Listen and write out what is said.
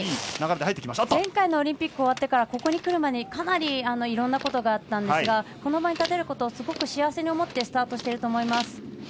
前回のオリンピック終わってからここに来るまでにかなりいろんなことがあったんですがこの場に立てることをすごく幸せに思ってスタートしていると思います。